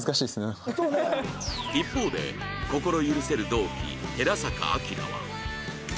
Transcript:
一方で心許せる同期寺坂晃は